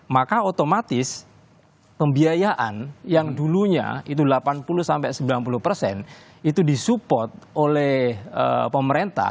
maka otomatis pembiayaan yang dulunya itu delapan puluh sembilan puluh persen itu disupport oleh pemerintah